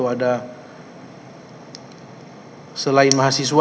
ada selain mahasiswa